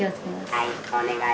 はい。